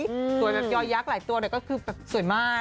สวยแบบยอยักษ์หลายตัวแต่ก็คือแบบสวยมาก